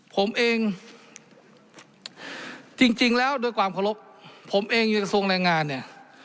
ผมเองจริงแล้วด้วยความเคารพผมเองอยู่กระทรวงแรงงานเนี่ย